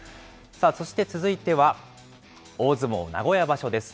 そして続いては、大相撲名古屋場所です。